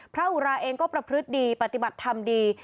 อุราเองก็ประพฤติดีปฏิบัติธรรมดี